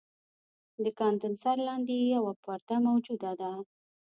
د کاندنسر لاندې یوه پرده موجوده ده.